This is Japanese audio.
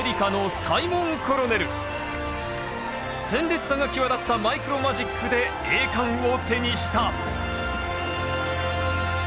鮮烈さが際立ったマイクロマジックで栄冠を手にした。